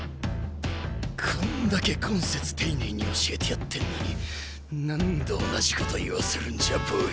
こんだけコンセツテイネイに教えてやってんのに何度同じこと言わせるんじゃボケェ。